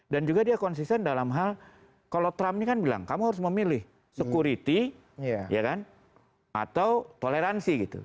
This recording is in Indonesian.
dan juga dia konsisten dalam hal kalau trump kan bilang kamu harus memilih security atau toleransi gitu